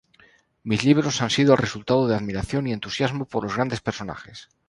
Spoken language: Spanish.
Mis libros han sido el resultado de admiración y entusiasmo por los grandes personajes".